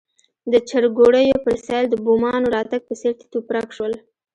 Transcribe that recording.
د چرګوړیو پر سېل د بومانو راتګ په څېر تیت و پرک شول.